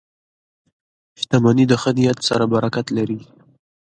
• شتمني د ښه نیت سره برکت لري.